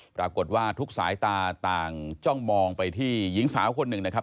ปรากฏว่าทุกสายตาต่างจ้องมองไปที่หญิงสาวคนหนึ่งนะครับ